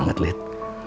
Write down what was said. duot sih gak